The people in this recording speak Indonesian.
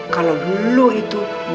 kalau lu itu gak mandul